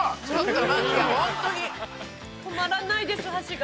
◆とまらないです、箸が。